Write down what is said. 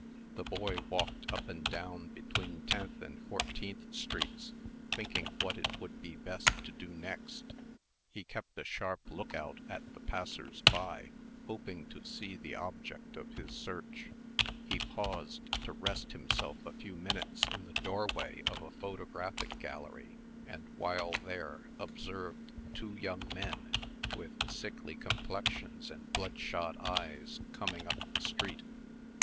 The boy walked up and down between Tenth and Fourteenth streets, thinking what it would be best to do next. He kept a sharp lookout at the passers by, hoping to see the object of his search. He paused to rest himself a few minutes in the doorway of a photographic gallery; and, while there, observed two young men, with sickly complexions and bloodshot eyes, coming up the street.